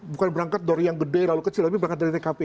bukan berangkat dari yang gede lalu kecil tapi berangkat dari tkp